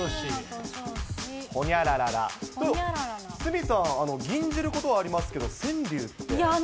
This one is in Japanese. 鷲見さん、吟じることはありますけど、川柳って。